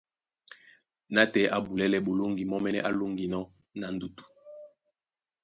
Nátɛɛ á bulɛ́lɛ́ ɓolóŋgi mɔ́mɛ́nɛ́ á lóŋginɔ́ na ndutu,